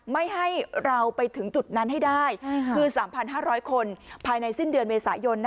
ไม่ให้เราไปถึงจุดนั้นให้ได้คือ๓๕๐๐คนภายในสิ้นเดือนเมษายน